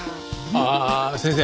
ああ先生